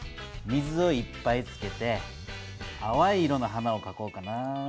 水をいっぱいつけてあわい色の花をかこうかな。